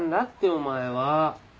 お前は。